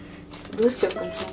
どうしようかな。